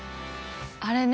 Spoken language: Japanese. あれね。